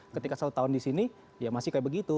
ketika satu tahun di sini ya masih kayak begitu